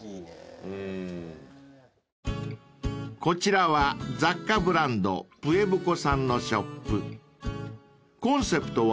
［こちらは雑貨ブランドＰＵＥＢＣＯさんのショップ］